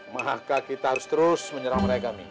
maka kita harus terus menyerang mereka